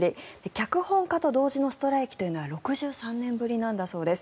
脚本家と同時のストライキというのは６３年ぶりだそうです。